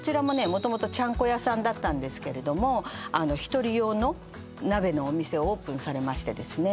もともとちゃんこ屋さんだったんですけれども１人用の鍋のお店をオープンされましてですね